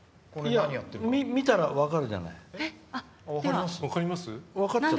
見たら分かるじゃない。